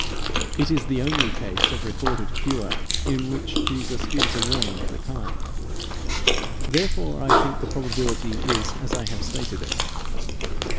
It is the only case of recorded cure in which Jesus gives a warning of the kind. Therefore I think the probability is as I have stated it.